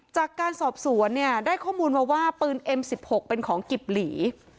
จากการสอบสวนเนี่ยได้ข้อมูลมาว่าปืนเอ็ม๑๖เป็นของกิบหลี